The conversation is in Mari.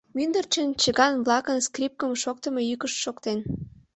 Мӱндырчын чыган-влакын скрипкым шоктымо йӱкышт шоктен.